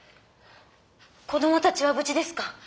子どもたちは無事ですか？